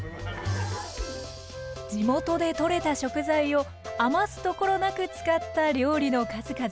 地元でとれた食材を余すところなく使った料理の数々。